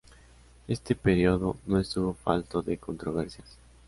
Este período no estuvo falto de controversias.